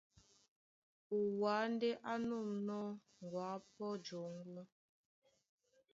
Ó Wâ ndé á nûmnɔ́ ŋgoá pɔ́ jɔŋgɔ́,